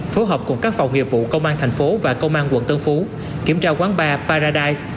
phối hợp cùng các phòng nghiệp vụ công an thành phố và công an quận tân phú kiểm tra quán bar paradise